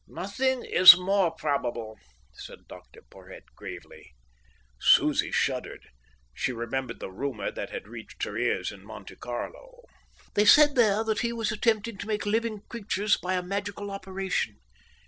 "Nothing is more probable," said Dr Porhoët gravely. Susie shuddered. She remembered the rumour that had reached her ears in Monte Carlo. "They said there that he was attempting to make living creatures by a magical operation."